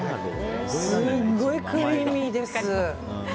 すんごいクリーミーです。